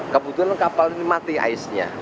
kebetulan kapal ini mati aisnya